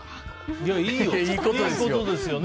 いいことですよね